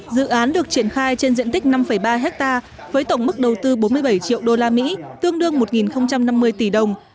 dự án được triển khai trên diện tích năm ba hectare với tổng mức đầu tư bốn mươi bảy triệu usd tương đương một năm mươi tỷ đồng